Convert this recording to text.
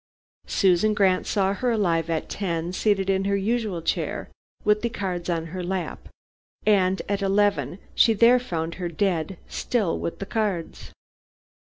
Susan Grant saw her alive at ten, seated in her usual chair with the cards on her lap, and at eleven, she there found her dead, still with the cards.